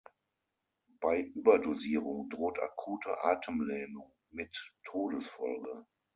Bei Überdosierung droht akute Atemlähmung mit Todesfolge.